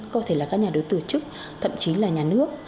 có thể là các nhà đầu tư thậm chí là nhà nước